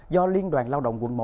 do liên đoàn lao động quận một